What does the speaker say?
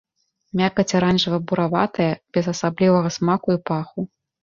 Мякаць аранжава-бураватая, без асаблівага смаку і паху.